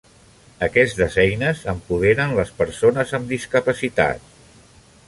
Aquestes eines empoderen les persones amb discapacitat.